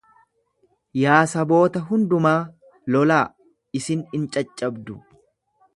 Yaa saboota hundumaa lolaa, isin in caccabdu.